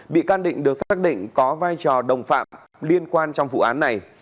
bị can định được xác định có vai trò đồng phạm liên quan trong vụ án này